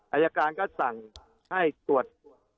อายการก็สั่งให้ตรวจ